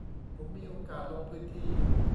ผมมีโอกาสลงพื้นที่